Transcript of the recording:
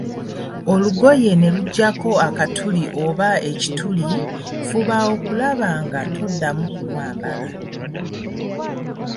Olugoye ne lujjako akatuli oba ekituli, fuba okulaba nga toddamu kulwambala.